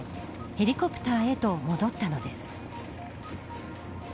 ヘリコプターへと戻ったのです。